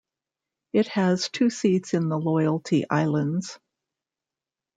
It has two seats in the Loyalty Islands.